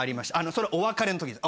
それお別れの時です